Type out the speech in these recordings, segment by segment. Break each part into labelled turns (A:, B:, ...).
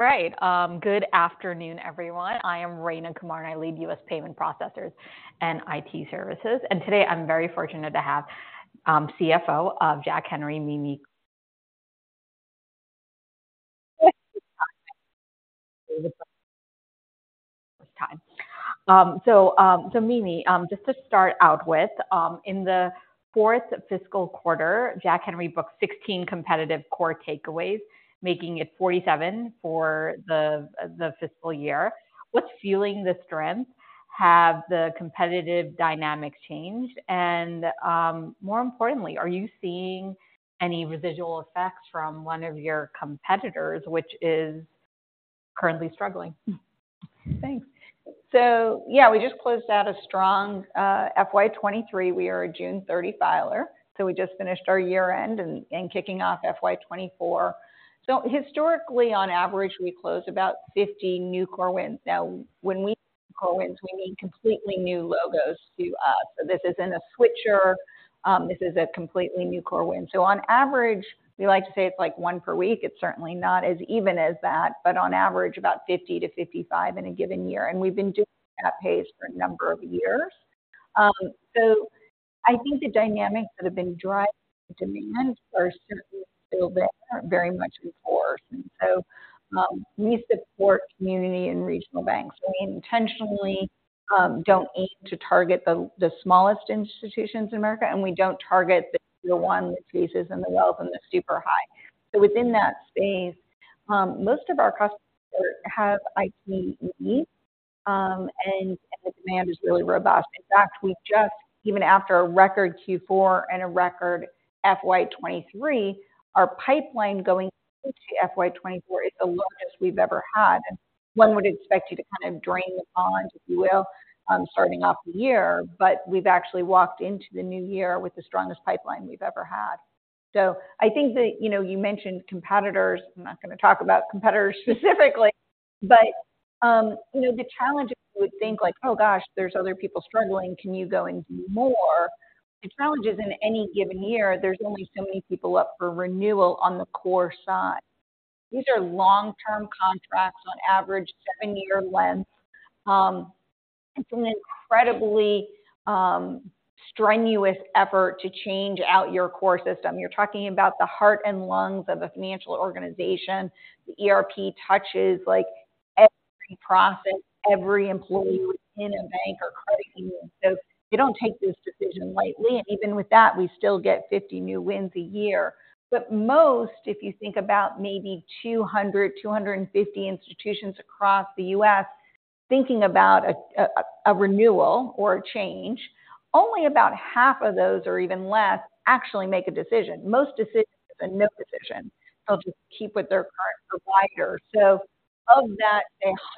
A: Great. Good afternoon, everyone. I am Rayna Kumar, and I lead U.S. Payment Processors and IT Services. And today, I'm very fortunate to have, CFO of Jack Henry, Mimi. So, so Mimi, just to start out with, in the fourth fiscal quarter, Jack Henry booked 16 competitive core takeaways, making it 47 for the fiscal year. What's fueling the strength? Have the competitive dynamics changed, and, more importantly, are you seeing any residual effects from one of your competitors, which is currently struggling?
B: Thanks. So yeah, we just closed out a strong FY 2023. We are a June 30 filer, so we just finished our year-end and, and kicking off FY 2024. So historically, on average, we close about 50 new core wins. Now, when we core wins, we mean completely new logos to us. So this isn't a switcher, this is a completely new core win. So on average, we like to say it's like one per week. It's certainly not as even as that, but on average about 50-55 in a given year, and we've been doing that pace for a number of years. So I think the dynamics that have been driving demand are certainly still there, very much in force. And so, we support community and regional banks. We intentionally don't aim to target the smallest institutions in America, and we don't target the ones, the Chases and the Wells and the super-high. So within that space, most of our customers have IT needs, and the demand is really robust. In fact, we've just even after a record Q4 and a record FY 2023, our pipeline going into FY 2024 is the lowest we've ever had. And one would expect you to kind of drain the pond, if you will, starting off the year, but we've actually walked into the new year with the strongest pipeline we've ever had. So I think that, you know, you mentioned competitors. I'm not going to talk about competitors specifically but, you know, the challenge you would think like, oh, gosh, there's other people struggling, can you go and do more? The challenge is, in any given year, there's only so many people up for renewal on the core side. These are long-term contracts, on average, seven year length. It's an incredibly strenuous effort to change out your core system. You're talking about the heart and lungs of a financial organization. The ERP touches, like, every process, every employee in a bank or credit union. So they don't take this decision lightly, and even with that, we still get 50 new wins a year. But most, if you think about maybe 200-250 institutions across the U.S. thinking about a renewal or a change, only about half of those or even less actually make a decision. Most decisions is a no decision. They'll just keep with their current provider. So of that,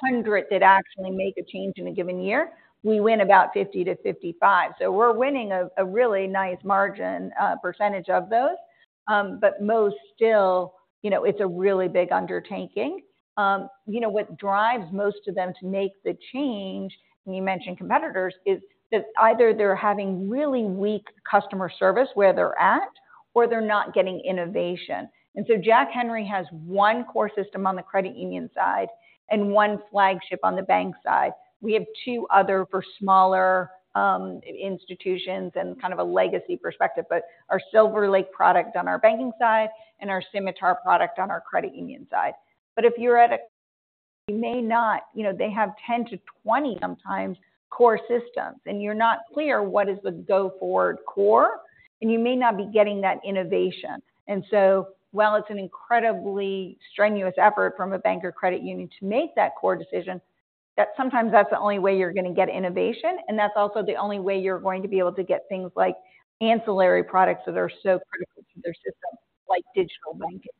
B: 100 did actually make a change in a given year, we win about 50-55. So we're winning a really nice margin percentage of those. But most still, you know, it's a really big undertaking. You know what drives most of them to make the change, and you mentioned competitors, is that either they're having really weak customer service where they're at, or they're not getting innovation. And so Jack Henry has one core system on the credit union side and one flagship on the bank side. We have two other for smaller institutions and kind of a legacy perspective, but our SilverLake product on our banking side and our Symitar product on our credit union side. But if you're at a. You may not. You know, they have 10-20 sometimes core systems, and you're not clear what is the go forward core, and you may not be getting that innovation. And so while it's an incredibly strenuous effort from a bank or credit union to make that core decision, that sometimes that's the only way you're going to get innovation, and that's also the only way you're going to be able to get things like ancillary products that are so critical to their system, like digital banking.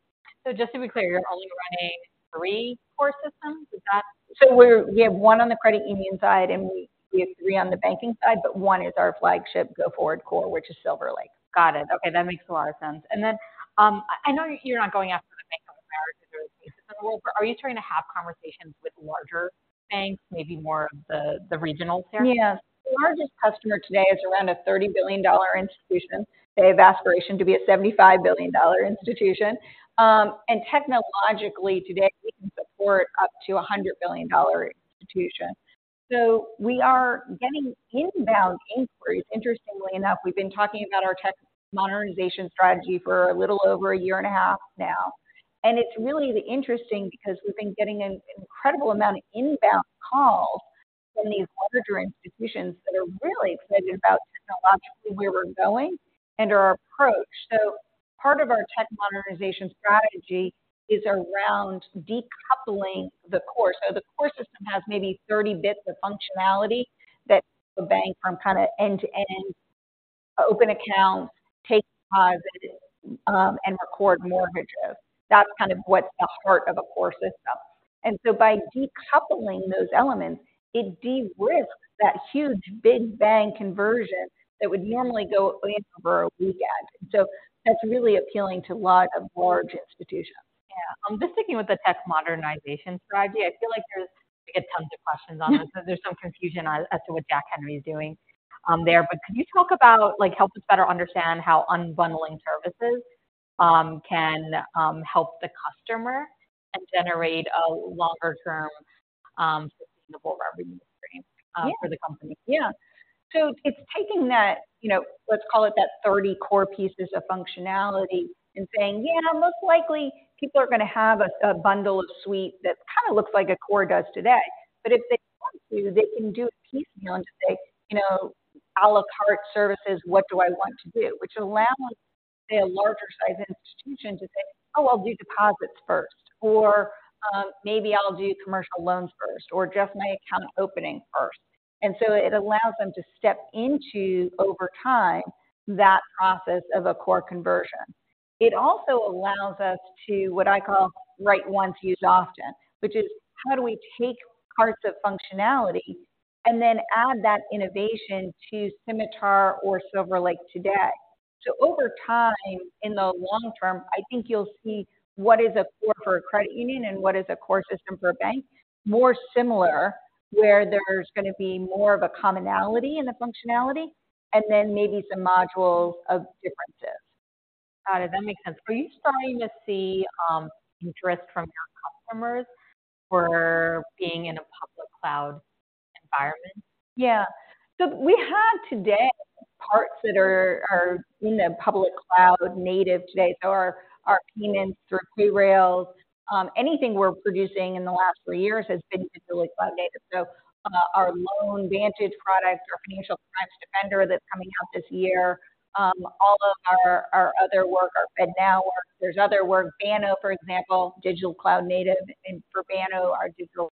A: Just to be clear, you're only running three core systems? Is that-
B: So we have one on the credit union side, and we have three on the banking side, but one is our flagship go forward core, which is SilverLake.
A: Got it. Okay, that makes a lot of sense. And then, I know you're not going after the Bank of America of the world, but are you trying to have conversations with larger banks, maybe more of the regional banks?
B: Yeah. The largest customer today is around a $30 billion institution. They have aspiration to be a $75 billion institution. And technologically, today, we can support up to a $100 billion institution. So we are getting inbound inquiries interestingly enough. We've been talking about our tech modernization strategy for a little over a year and a half now, and it's really interesting because we've been getting an incredible amount of inbound calls from these larger institutions that are really excited about technologically, where we're going and our approach. So part of our tech modernization strategy is around decoupling the core. So the core system has maybe 30 bits of functionality that a bank from kind of end-to-end, open accounts, take deposits, and record mortgages. That's kind of what's the heart of a core system. By decoupling those elements, it de-risks that huge big bang conversion that would normally go in over a weekend. That's really appealing to a lot of large institutions.
A: Yeah. Just sticking with the tech modernization strategy, I feel like we get tons of questions on it because there's some confusion as to what Jack Henry is doing, there. But could you talk about, like, help us better understand how unbundling services can help the customer and generate a longer-term sustainable revenue stream for the company?
B: Yeah. So it's taking that, you know, let's call it that 30 core pieces of functionality and saying: yeah, most likely people are going to have a, a bundle of suite that kind of looks like a core does today. But if they want to, they can do it piecemeal and just say, you know, à la carte services, what do I want to do? Which allows, say, a larger size institution to say, "Oh, I'll do deposits first," or, "maybe I'll do commercial loans first, or just my account opening first." And so it allows them to step into, over time, that process of a core conversion. It also allows us to, what I call, write once, use often, which is how do we take parts of functionality and then add that innovation to Symitar or SilverLake today? Over time, in the long term, I think you'll see what is a core for a credit union and what is a core system for a bank more similar, where there's going to be more of a commonality in the functionality and then maybe some modules of differences.
A: Got it, that makes sense. Are you starting to see interest from your customers for being in a public cloud environment?
B: Yeah. So we have today parts that are, you know, public cloud native today. So our payments through Payrailz, anything we're producing in the last three years has been completely cloud native. So our LoanVantage product, our Financial Crimes Defender that's coming out this year, all of our other work, our FedNow work. There's other work, Banno, for example, digital cloud native, and for Banno, our digital.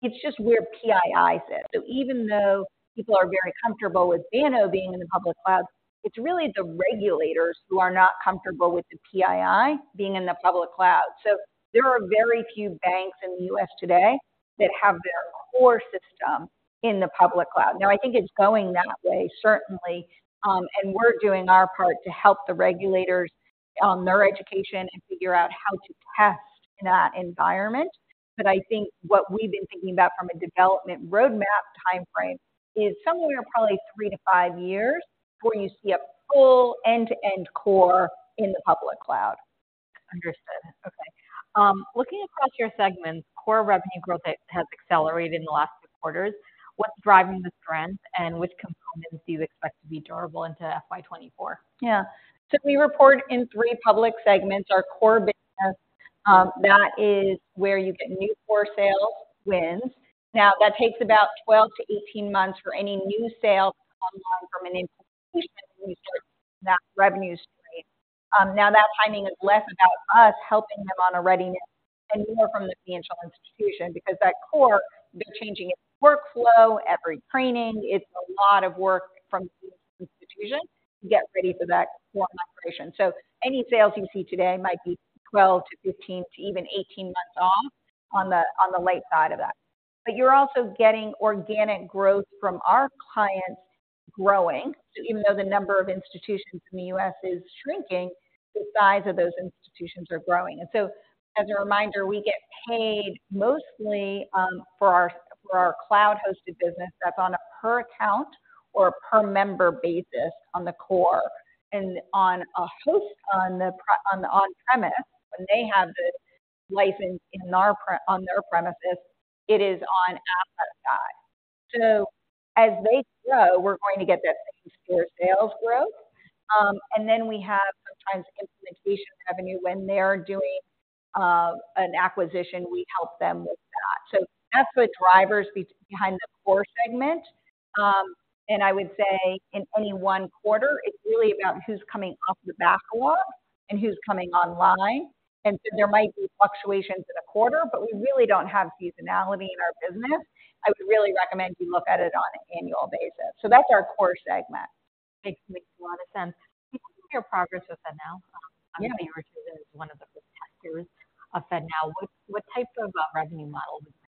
B: It's just where PII sits. So even though people are very comfortable with Banno being in the public cloud, it's really the regulators who are not comfortable with the PII being in the public cloud. So there are very few banks in the U.S. today that have their core system in the public cloud. Now, I think it's going that way, certainly, and we're doing our part to help the regulators on their education and figure out how to test in that environment. But I think what we've been thinking about from a development roadmap timeframe is somewhere probably three to five years, where you see a full end-to-end core in the public cloud.
A: Understood. Okay. Looking across your segments, core revenue growth has accelerated in the last few quarters. What's driving the trends, and which components do you expect to be durable into FY 2024?
B: Yeah. We report in three public segments, our core business, that is where you get new core sales wins. Now, that takes about 12-18 months for any new sale to come along from an implementation perspective, that revenue stream. Now that timing is less about us helping them on a readiness and more from the financial institution, because that core, they're changing its workflow, every training. It's a lot of work from the institution to get ready for that core migration. So any sales you see today might be 12-15 to even 18 months off on the, on the late side of that. But you're also getting organic growth from our clients growing. So even though the number of institutions in the U.S. is shrinking, the size of those institutions are growing. As a reminder, we get paid mostly for our cloud-hosted business, that's on a per account or a per member basis on the core. And on hosted, on the on-premises, when they have the license on their premises, it is on a per guide. So as they grow, we're going to get that same core sales growth. And then we have sometimes implementation revenue. When they're doing an acquisition, we help them with that. So that's the drivers behind the core segment. And I would say in any one quarter, it's really about who's coming off the back wall and who's coming online. And so there might be fluctuations in a quarter, but we really don't have seasonality in our business. I would really recommend you look at it on an annual basis. So that's our core segment.
A: Makes a lot of sense. Can you talk through your progress with FedNow?
B: Yeah.
A: I'm going to be one of the first testers of FedNow. What, what type of revenue model is that?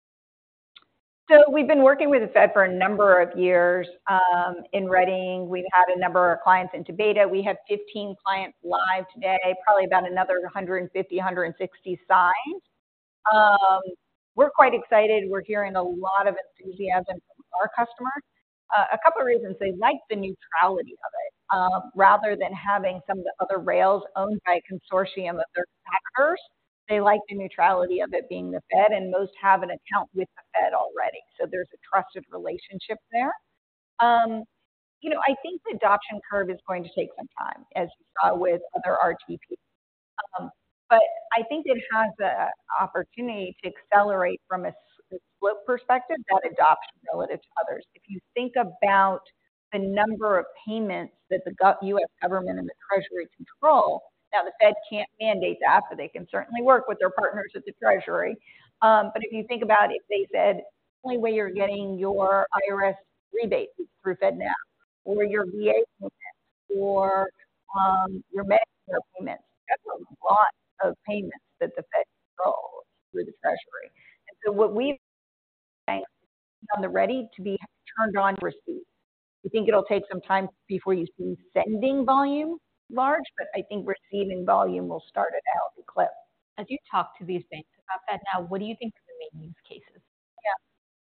B: So we've been working with the Fed for a number of years, in writing. We've had a number of our clients into beta. We have 15 clients live today, probably about another 150, 160 signed. We're quite excited. We're hearing a lot of enthusiasm from our customers. A couple of reasons, they like the neutrality of it. Rather than having some of the other rails owned by a consortium of their factors, they like the neutrality of it being the Fed, and most have an account with the Fed already, so there's a trusted relationship there. You know, I think the adoption curve is going to take some time, as you saw with other RTPs. But I think it has the opportunity to accelerate from a slope perspective, that adoption relative to others. If you think about the number of payments that the U.S. government and the Treasury control, now, the Fed can't mandate that, but they can certainly work with their partners at the Treasury. But if you think about it, they said, "The only way you're getting your IRS rebate is through FedNow, or your VA payment, or your Medicare payments." That's a lot of payments that the Fed controls through the Treasury. And so what we have on the ready to be turned on to receive. We think it'll take some time before you see sending volume large, but I think receiving volume will start it out clip.
A: As you talk to these banks about FedNow, what do you think are the main use cases?
B: Yeah.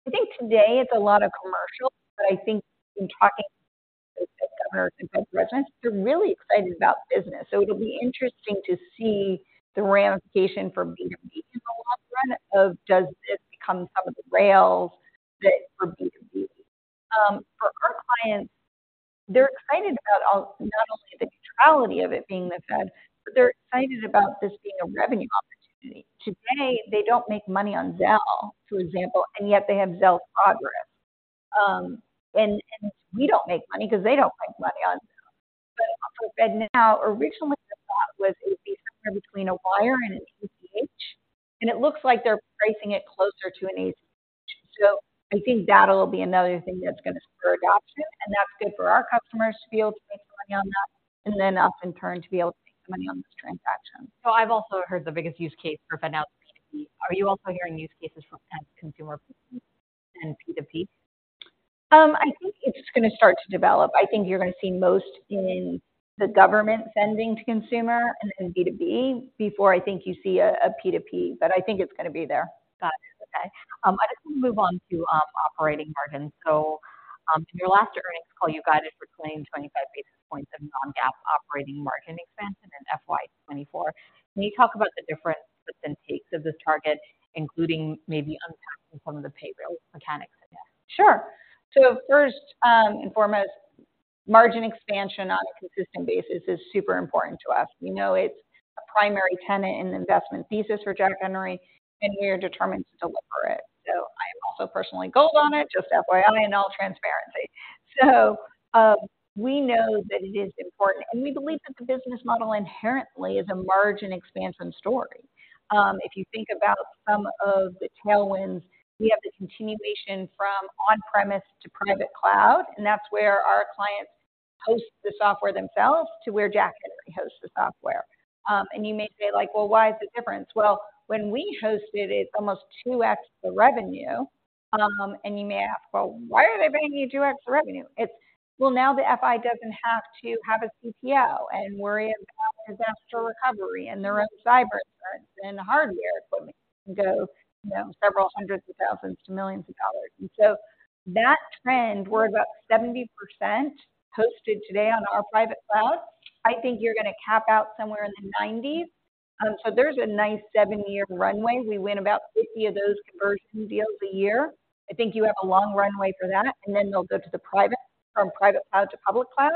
B: I think today it's a lot of commercial, but I think in talking with the governors and bank presidents, they're really excited about business. So it'll be interesting to see the ramification for B2B in the long run of does this become some of the rails that for B2B? For our clients, they're excited about all, not only the neutrality of it being the Fed, but they're excited about this being a revenue opportunity. Today, they don't make money on Zelle, for example, and yet they have Zelle's processing. And we don't make money because they don't make money on Zelle. But for FedNow, originally, the thought was it'd be somewhere between a wire and an ACH, and it looks like they're pricing it closer to an ACH. So I think that'll be another thing that's going to spur adoption, and that's good for our customers to be able to make money on that, and then us, in turn, to be able to make money on this transaction.
A: So I've also heard the biggest use case for FedNow is P2P. Are you also hearing use cases for consumer P2P and P2P?
B: I think it's going to start to develop. I think you're going to see most in the government sending to consumer and in B2B before I think you see a P2P, but I think it's going to be there.
A: Got it. Okay. I just want to move on to operating margins. So, in your last earnings call, you guided for 25 basis points of non-GAAP operating margin expansion in FY 2024. Can you talk about the different inputs and takes of this target, including maybe unpacking some of the payroll mechanics in there?
B: Sure. So first, and foremost, margin expansion on a consistent basis is super important to us. We know it's a primary tenet in the investment thesis for Jack Henry, and we are determined to deliver it. So I am also personally gold on it, just FYI, in all transparency. So, we know that it is important, and we believe that the business model inherently is a margin expansion story. If you think about some of the tailwinds, we have the continuation from on-premise to private cloud, and that's where our clients host the software themselves to where Jack Henry hosts the software. And you may say, like, "Well, why is it different?" Well, when we host it, it's almost 2x the revenue. And you may ask, "Well, why are they paying you 2x the revenue?" It's well, now the FI doesn't have to have a CPO and worry about disaster recovery and their own cyber insurance and hardware equipment can go, you know, several hundred thousand dollars to millions of dollars. And so that trend, we're about 70% hosted today on our private cloud. I think you're going to cap out somewhere in the 90s. So there's a nice seven year runway. We win about 50 of those conversion deals a year. I think you have a long runway for that, and then they'll go to the private, from private cloud to public cloud.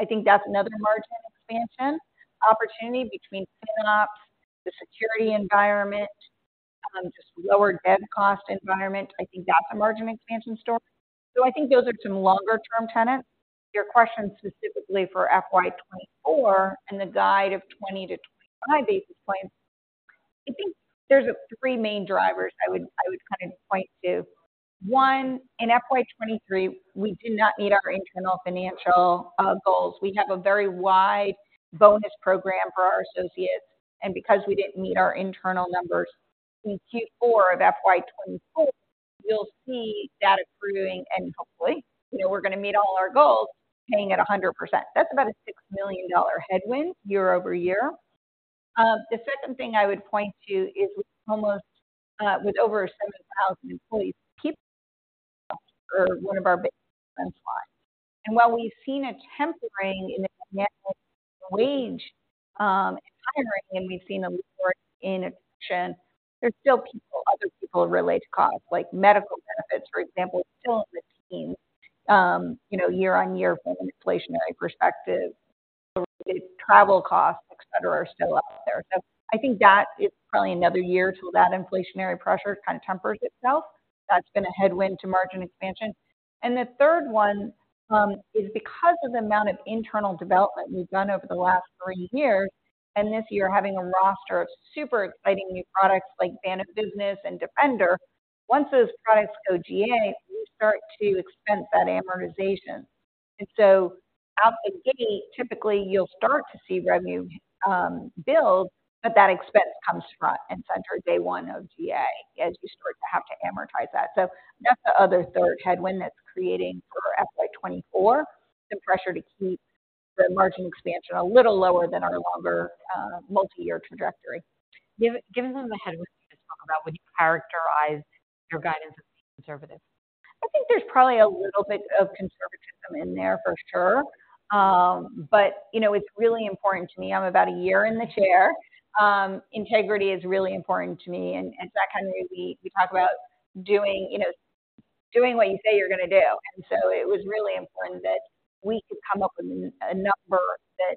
B: I think that's another margin expansion opportunity between FinOps, the security environment, just lower dev cost environment. I think that's a margin expansion story. So I think those are some longer-term tenets. Your question, specifically for FY 2024 and the guide of 20-25 basis points, I think there's three main drivers I would kind of point to. One, in FY 2023, we did not meet our internal financial goals. We have a very wide bonus program for our associates, and because we didn't meet our internal numbers in Q4 of FY 2024, you'll see that improving and hopefully, you know, we're going to meet all our goals, hitting at 100%. That's about a $6 million headwind year over year. The second thing I would point to is with over 7,000 employees, people are one of our big lines. And while we've seen a tempering in the wage, hiring, and we've seen a more in addition, there's still people, other people related to costs, like medical benefits, for example, still in the teens, you know, year on year from an inflationary perspective, travel costs, et cetera, are still out there. So I think that is probably another year till that inflationary pressure kind of tempers itself. That's been a headwind to margin expansion. And the third one, is because of the amount of internal development we've done over the last three years, and this year having a roster of super exciting new products like Banno Business and Defender. Once those products go GA, we start to expense that amortization. And so out the gate, typically you'll start to see revenue build, but that expense comes front and center day one of GA, as you start to have to amortize that. So that's the other third headwind that's creating for FY 2024 some pressure to keep the margin expansion a little lower than our longer multi-year trajectory.
A: Given the headwinds you just talked about, would you characterize your guidance as conservative?
B: I think there's probably a little bit of conservatism in there, for sure. But you know, it's really important to me. I'm about a year in the chair. Integrity is really important to me, and at Jack Henry, we talk about doing, you know, doing what you say you're going to do. And so it was really important that we could come up with a number that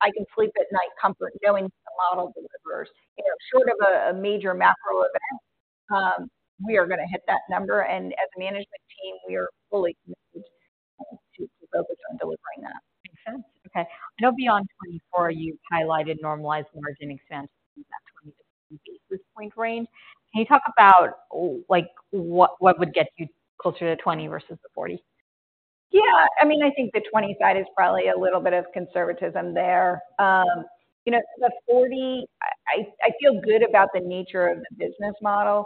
B: I can sleep at night comfort, knowing the model delivers. You know, short of a major macro event, we are going to hit that number, and as a management team, we are fully committed to focus on delivering that.
A: Makes sense. Okay. I know beyond 2024, you've highlighted normalized margin expansion, that 20-40 basis point range. Can you talk about, like, what, what would get you closer to the 20 versus the 40?
B: ...Yeah, I mean, I think the 20 side is probably a little bit of conservatism there. You know, the 40, I feel good about the nature of the business model.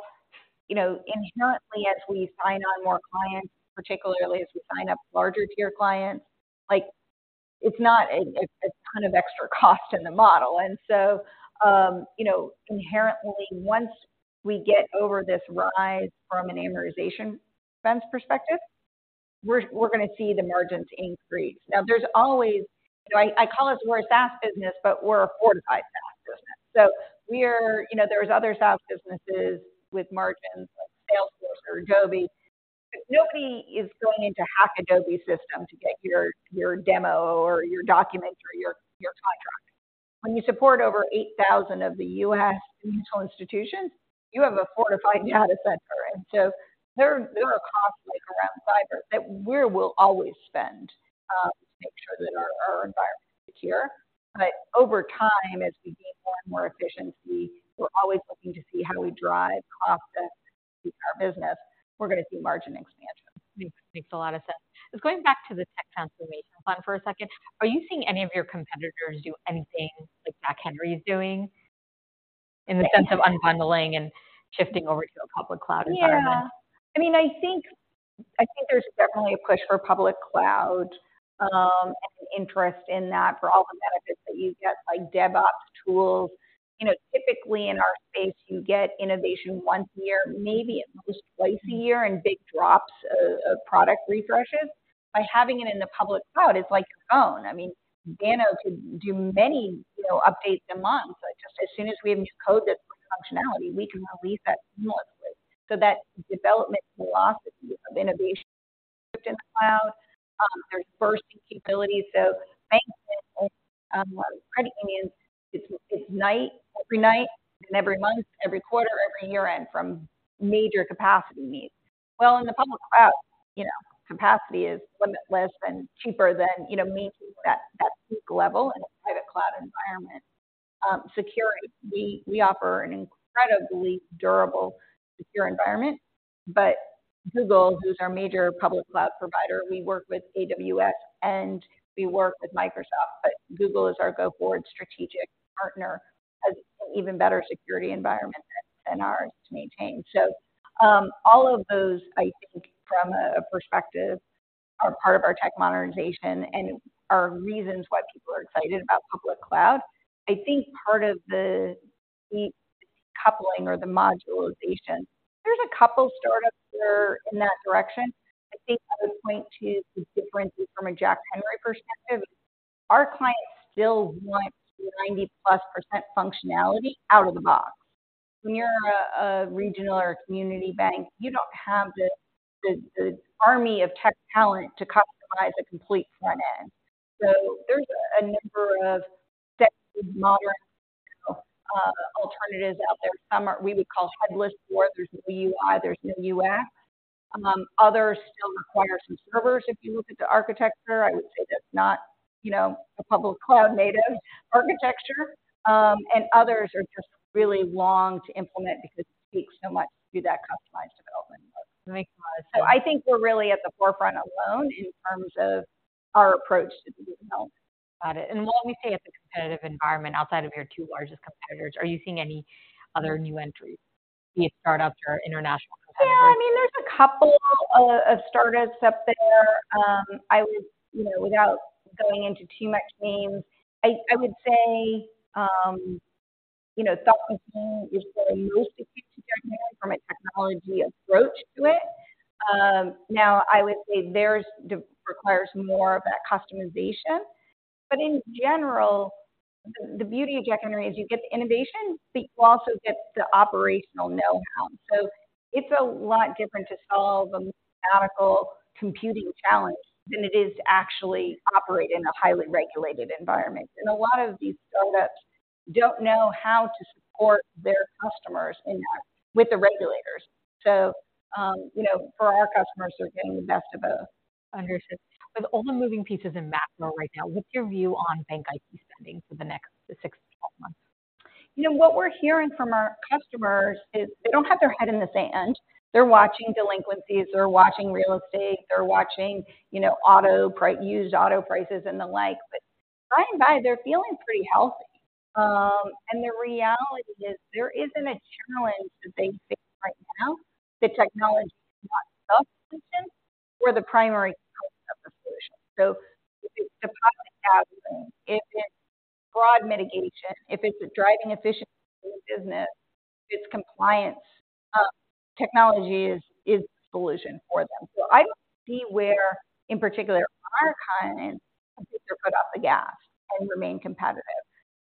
B: You know, inherently, as we sign on more clients, particularly as we sign up larger tier clients, like, it's not a ton of extra cost in the model. So, you know, inherently, once we get over this rise from an amortization expense perspective, we're going to see the margins increase. Now, there's always. I call us, we're a SaaS business, but we're a fortified SaaS business. So we are, you know, there's other SaaS businesses with margins, like Salesforce or Adobe. Nobody is going in to hack Adobe system to get your demo or your document or your contract. When you support over 8,000 of the U.S. financial institutions, you have a fortified data center, and so there are costs around cyber that we will always spend to make sure that our environment is secure. But over time, as we gain more and more efficiency, we're always looking to see how do we drive cost out of our business. We're going to see margin expansion.
A: Makes a lot of sense. Just going back to the tech transformation plan for a second, are you seeing any of your competitors do anything like Jack Henry is doing? In the sense of unbundling and shifting over to a public cloud environment.
B: Yeah. I mean, I think there's definitely a push for public cloud, and interest in that for all the benefits that you get, like DevOps tools. You know, typically in our space, you get innovation once a year, maybe at most, twice a year, in big drops of product refreshes. By having it in the public cloud, it's like your phone. I mean, Banno could do many, you know, updates a month. Just as soon as we have new code, that functionality, we can release that seamlessly. So that development philosophy of innovation in the cloud, there's bursting capabilities. So banks and credit unions, it's night, every night and every month, every quarter, every year-end from major capacity needs. Well, in the public cloud, you know, capacity is limitless and cheaper than, you know, maintaining that, that peak level in a private cloud environment. Security, we, we offer an incredibly durable, secure environment. But Google, who's our major public cloud provider, we work with AWS, and we work with Microsoft, but Google is our go-forward strategic partner, has an even better security environment than ours to maintain. So, all of those, I think from a perspective, are part of our tech modernization and are reasons why people are excited about public cloud. I think part of the decoupling or the modularization, there's a couple startups that are in that direction. I think I would point to the differences from a Jack Henry perspective. Our clients still want 90%+ functionality out of the box. When you're a regional or community bank, you don't have the army of tech talent to customize a complete front end. So there's a number of tech modern alternatives out there. Some are we would call headless, where there's no UI, there's no UX. Others still require some servers. If you look at the architecture, I would say that's not, you know, a public cloud-native architecture, and others are just really long to implement because it takes so much to do that customized development.
A: Makes a lot of sense.
B: So I think we're really at the forefront alone in terms of our approach to the development.
A: Got it. When we say it's a competitive environment outside of your two largest competitors, are you seeing any other new entries, be it startups or international competitors?
B: Yeah, I mean, there's a couple of startups up there. I would, you know, without going into too much names, I would say, you know, SoFi is the most acute from a technology approach to it. Now, I would say theirs requires more of that customization. But in general, the beauty of Jack Henry is you get the innovation, but you also get the operational know-how. So it's a lot different to solve a mathematical computing challenge than it is to actually operate in a highly regulated environment. And a lot of these startups don't know how to support their customers in that with the regulators. So, you know, for our customers, they're getting the best of both.
A: Understood. With all the moving pieces in macro right now, what's your view on bank IT spending for the next 6-12 months?
B: You know, what we're hearing from our customers is they don't have their head in the sand. They're watching delinquencies, they're watching real estate, they're watching, you know, auto prices, used auto prices and the like. But by and large, they're feeling pretty healthy. And the reality is there isn't a challenge that they face right now, that technology is not the solution or the primary of the solution. So if it's deposit gathering, if it's fraud mitigation, if it's driving efficiency business, it's compliance, technology is, is the solution for them. So I don't see where, in particular our clients, put off the gas and remain competitive.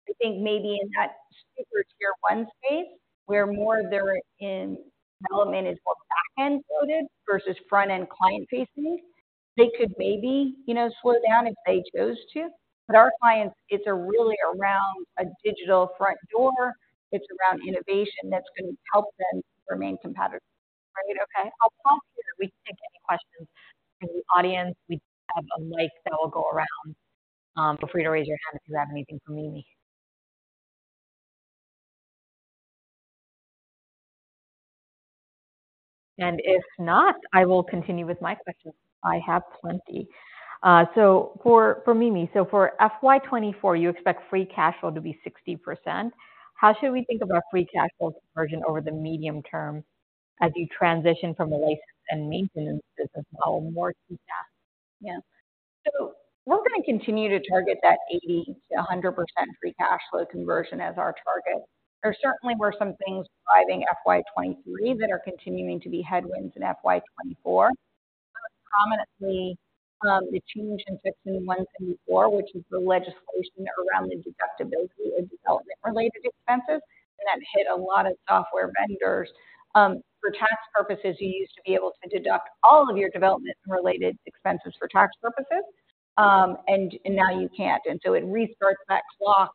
B: I think maybe in that super tier one space where more they're in development is more back-end loaded versus front-end client facing, they could maybe, you know, slow down if they chose to. Our clients, it's really around a digital front door. It's around innovation that's going to help them remain competitive.
A: All right. Okay, I'll pause here. We can take any questions from the audience. We have a mic that will go around. Feel free to raise your hand if you have anything for me... And if not, I will continue with my questions. I have plenty. So for, for Mimi, so for FY 2024, you expect free cash flow to be 60%. How should we think about free cash flow conversion over the medium term as you transition from the license and maintenance business model more to that?
B: Yeah. So we're going to continue to target that 80%-100% free cash flow conversion as our target. There certainly were some things driving FY 2023 that are continuing to be headwinds in FY 2024. Most prominently, the change in Section 174, which is the legislation around the deductibility of development-related expenses, and that hit a lot of software vendors. For tax purposes, you used to be able to deduct all of your development-related expenses for tax purposes, and, and now you can't. And so it restarts that clock.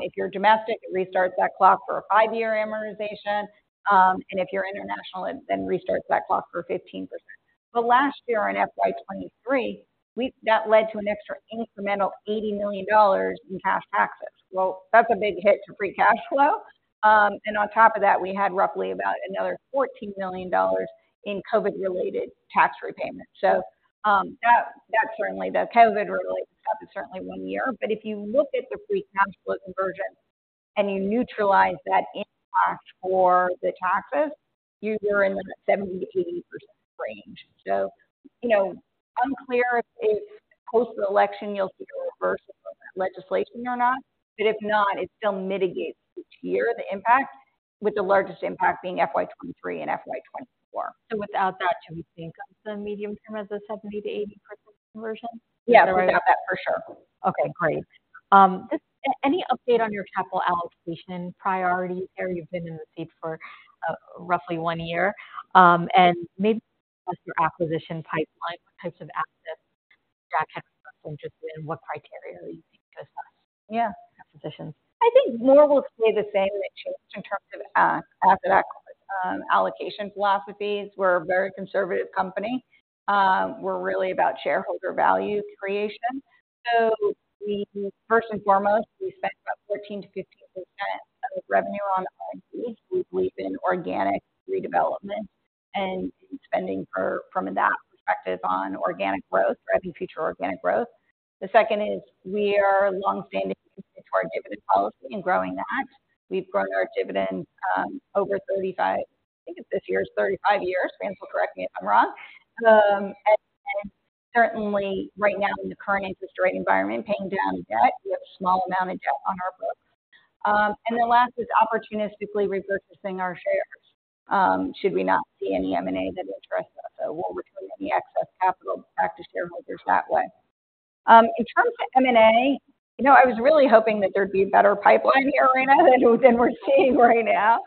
B: If you're domestic, it restarts that clock for a five year amortization. And if you're international, it then restarts that clock for 15%. So last year on FY 2023, that led to an extra incremental $80 million in cash taxes. Well, that's a big hit to free cash flow. And on top of that, we had roughly about another $14 million in COVID-related tax repayments. So, that certainly, the COVID-related stuff is certainly one year. But if you look at the free cash flow conversion and you neutralize that impact for the taxes, you're in the 70%-80% range. So you know, unclear if post-election you'll see a reversal of that legislation or not, but if not, it still mitigates each year the impact, with the largest impact being FY 2023 and FY 2024.
A: Without that, do we think of the medium term as a 70%-80% conversion?
B: Yeah, without that, for sure.
A: Okay, great. Just any update on your capital allocation priority area? You've been in the seat for roughly one year. And maybe what's your acquisition pipeline? What types of assets Jack Henry interested in, what criteria do you think to assess-
B: Yeah.
A: -acquisitions?
B: I think more will stay the same than change in terms of allocation philosophies. We're a very conservative company. We're really about shareholder value creation. So we first and foremost, we spent about 14%-15% of revenue on R&D. We believe in organic redevelopment and spending for, from that perspective, on organic growth, driving future organic growth. The second is we are longstanding to our dividend policy and growing that. We've grown our dividend over 35... I think this year is 35 years. Vance, correct me if I'm wrong. And certainly right now, in the current interest rate environment, paying down debt, we have a small amount of debt on our books. And then last is opportunistically repurchasing our shares should we not see any M&A that interests us. So we'll return any excess capital back to shareholders that way. In terms of M&A, you know, I was really hoping that there'd be a better pipeline here, Irina, than we're seeing right now.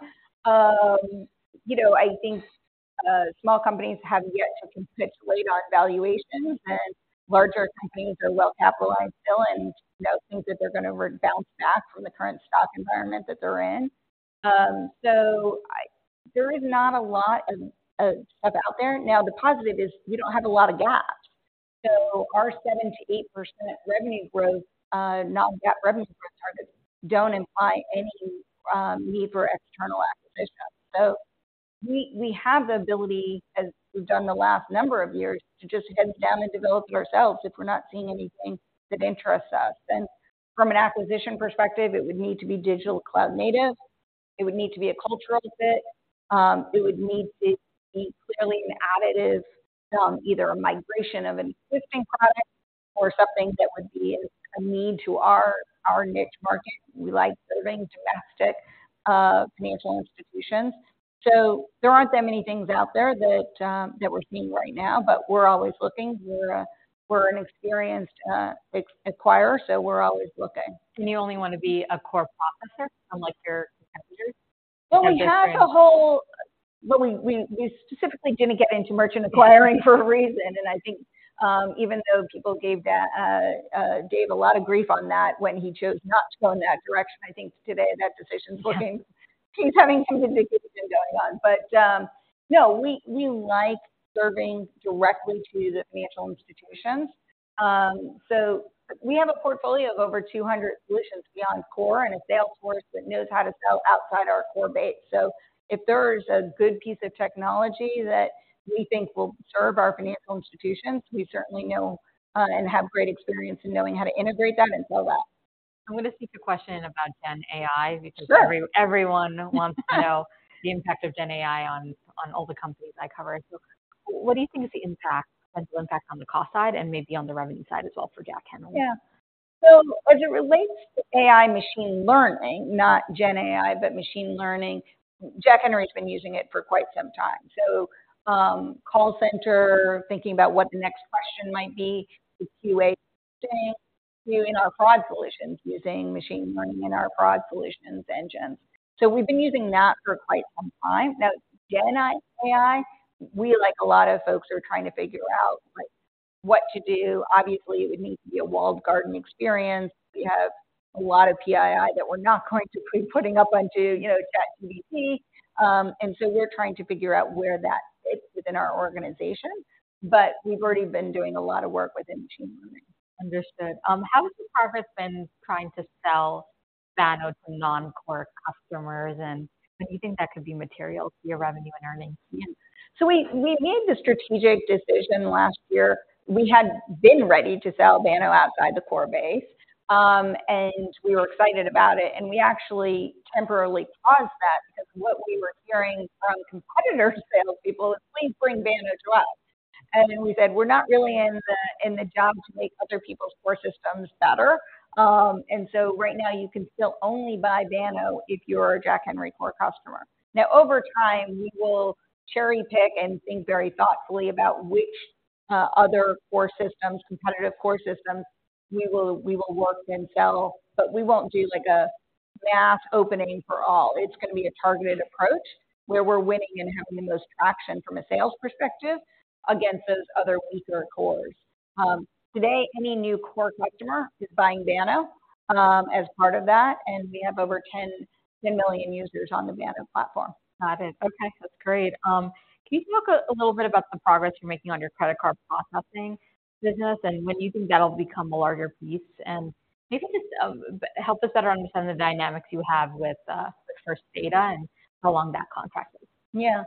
B: You know, I think small companies have yet to capitulate on valuations, and larger companies are well capitalized still and, you know, think that they're going to bounce back from the current stock environment that they're in. So, there is not a lot of stuff out there. Now, the positive is we don't have a lot of gaps. So our 7%-8% revenue growth, not GAAP revenue growth targets, don't imply any need for external acquisitions. So we have the ability, as we've done the last number of years, to just head down and develop it ourselves if we're not seeing anything that interests us. From an acquisition perspective, it would need to be digital cloud native. It would need to be a cultural fit. It would need to be clearly an additive, either a migration of an existing product or something that would be a need to our niche market. We like serving domestic financial institutions. So there aren't that many things out there that we're seeing right now, but we're always looking. We're an experienced acquirer, so we're always looking.
A: You only want to be a core processor, unlike your competitors?
B: Well, we specifically didn't get into merchant acquiring for a reason. And I think, even though people gave that, Dave a lot of grief on that when he chose not to go in that direction, I think today that decision's looking he's having some good things been going on. But, no, we like serving directly to the financial institutions. So we have a portfolio of over 200 solutions beyond core and a sales force that knows how to sell outside our core base. So if there is a good piece of technology that we think will serve our financial institutions, we certainly know, and have great experience in knowing how to integrate them and sell that.
A: I'm going to sneak a question about Gen AI-
B: Sure.
A: Because everyone wants to know the impact of Gen AI on all the companies I cover. So what do you think is the impact, potential impact on the cost side and maybe on the revenue side as well for Jack Henry?
B: Yeah. So as it relates to AI machine learning, not Gen AI, but machine learning, Jack Henry's been using it for quite some time. So, call center, thinking about what the next question might be, the QA doing our fraud solutions, using machine learning in our fraud solutions engines. So we've been using that for quite some time now. Gen AI, we, like a lot of folks, are trying to figure out like what to do. Obviously, it would need to be a walled garden experience. We have a lot of PII that we're not going to be putting up onto, you know, ChatGPT. And so we're trying to figure out where that fits within our organization, but we've already been doing a lot of work with machine learning.
A: Understood. How has the effort been trying to sell Banno to non-core customers, and do you think that could be material to your revenue and earnings?
B: Yeah. So we, we made the strategic decision last year. We had been ready to sell Banno outside the core base, and we were excited about it, and we actually temporarily paused that because what we were hearing from competitor salespeople is, "Please bring Banno to us." And then we said: We're not really in the, in the job to make other people's core systems better. And so right now, you can still only buy Banno if you're a Jack Henry core customer. Now, over time, we will cherry-pick and think very thoughtfully about which, other core systems, competitive core systems we will, we will work and sell, but we won't do, like, a mass opening for all. It's going to be a targeted approach, where we're winning and having the most traction from a sales perspective against those other weaker cores. Today, any new core customer is buying Banno, as part of that, and we have over 10 million users on the Banno platform.
A: Got it. Okay, that's great. Can you talk a little bit about the progress you're making on your credit card processing business and when you think that'll become a larger piece? And maybe just help us better understand the dynamics you have with First Data and how long that contract is.
B: Yeah.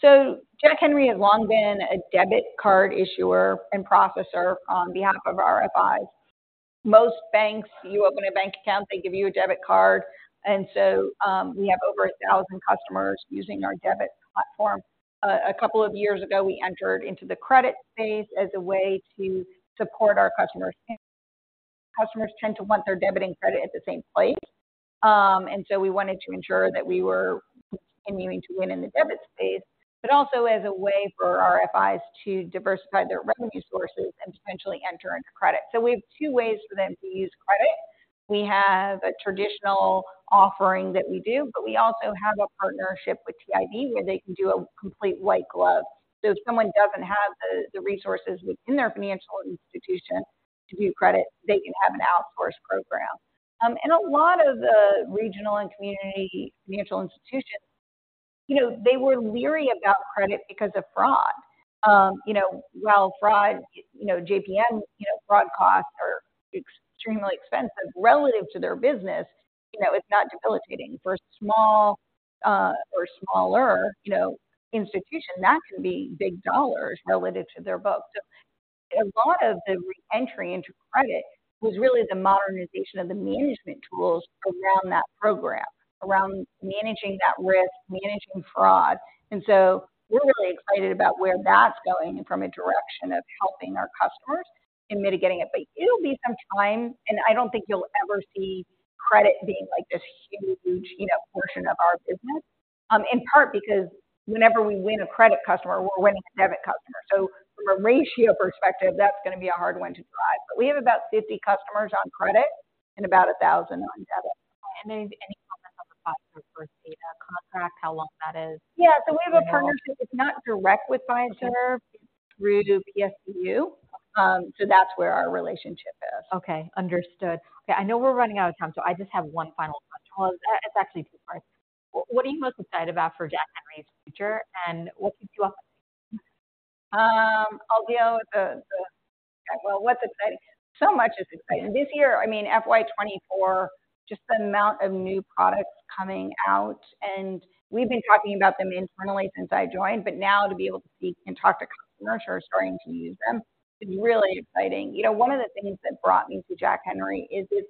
B: So Jack Henry has long been a debit card issuer and processor on behalf of our FIs. Most banks, you open a bank account, they give you a debit card, and so, we have over a thousand customers using our debit platform. A couple of years ago, we entered into the credit space as a way to support our customers. Customers tend to want their debit and credit at the same place. And so we wanted to ensure that we were continuing to win in the debit space, but also as a way for our FIs to diversify their revenue sources and potentially enter into credit. So we have two ways for them to use credit. We have a traditional offering that we do, but we also have a partnership with TIB, where they can do a complete white glove. So if someone doesn't have the resources within their financial institution to do credit, they can have an outsourced program. And a lot of the regional and community financial institutions, you know, they were leery about credit because of fraud. You know, while fraud, you know, JPM, you know, fraud costs are extremely expensive relative to their business, you know, it's not debilitating. For a small, or smaller, you know, institution, that can be big dollars relative to their books. So a lot of the re-entry into credit was really the modernization of the management tools around that program, around managing that risk, managing fraud. And so we're really excited about where that's going and from a direction of helping our customers in mitigating it. But it'll be some time, and I don't think you'll ever see credit being, like, this huge, you know, portion of our business. In part, because whenever we win a credit customer, we're winning a debit customer, so from a ratio perspective, that's going to be a hard win to drive. But we have about 50 customers on credit and about 1,000 on debit.
A: Any comments on the First Data contract, how long that is?
B: Yeah.
A: And-
B: So we have a partnership. It's not direct with Fiserv.
A: Okay.
B: It's through PSCU. So that's where our relationship is.
A: Okay, understood. Okay, I know we're running out of time, so I just have one final question. Well, it's actually two parts. What are you most excited about for Jack Henry's future, and what keeps you up at night?
B: Well, what's exciting? So much is exciting. This year, I mean, FY 2024, just the amount of new products coming out, and we've been talking about them internally since I joined, but now to be able to see and talk to customers who are starting to use them is really exciting. You know, one of the things that brought me to Jack Henry is it's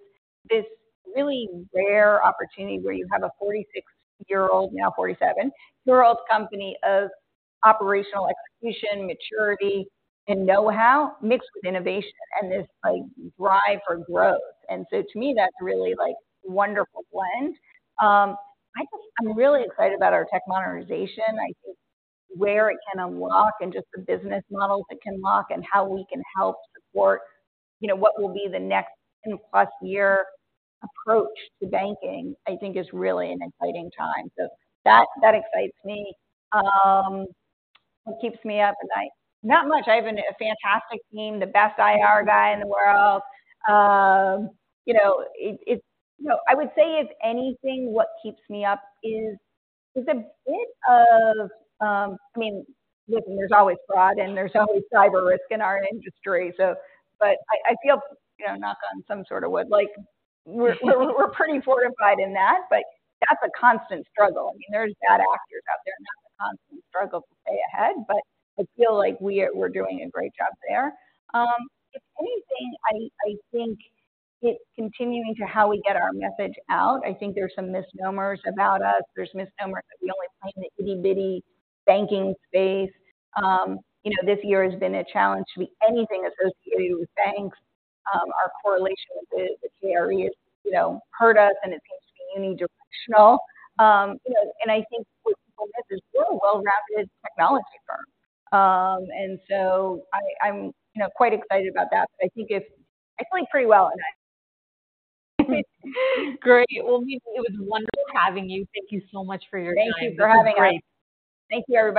B: this really rare opportunity where you have a 46-year-old, now 47-year-old company of operational execution, maturity, and know-how, mixed with innovation and this, like, drive for growth. And so to me, that's a really, like, wonderful blend. I just, I'm really excited about our tech modernization. I think where it can unlock and just the business models it can lock and how we can help support, you know, what will be the next ten-plus year approach to banking, I think is really an exciting time. So that, that excites me. What keeps me up at night? Not much. I have a fantastic team, the best IR guy in the world. You know, it, it's you know, I would say, if anything, what keeps me up is, there's a bit of... I mean, listen, there's always fraud, and there's always cyber risk in our industry, so, but I, I feel, you know, knock on some sort of wood, like we're pretty fortified in that, but that's a constant struggle. I mean, there's bad actors out there, and that's a constant struggle to stay ahead, but I feel like we're doing a great job there. If anything, I think it's continuing to how we get our message out. I think there's some misnomers about us. There's misnomers that we only play in the itty-bitty banking space. You know, this year has been a challenge to be anything associated with banks. Our correlation with the CRE has, you know, hurt us, and it seems to be unidirectional. You know, and I think what people miss is we're a well-rounded technology firm. And so I'm, you know, quite excited about that. I think it's—I sleep pretty well at night.
A: Great. Well, Mimi, it was wonderful having you. Thank you so much for your time.
B: Thank you for having us.
A: This was great.
B: Thank you, everybody.